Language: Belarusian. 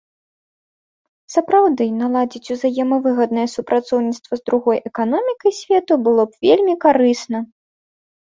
Сапраўды, наладзіць узаемавыгаднае супрацоўніцтва з другой эканомікай свету было б вельмі карысна.